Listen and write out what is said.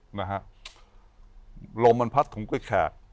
ฮ่าโรมบรรพัสของกุศแขก